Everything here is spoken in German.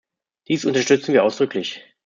Dies unterstützen wir ausdrücklich.